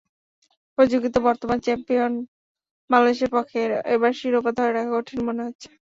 প্রতিযোগিতার বর্তমান চ্যাম্পিয়ন বাংলাদেশের পক্ষে এবার শিরোপা ধরে রাখা কঠিনই মনে হচ্ছে।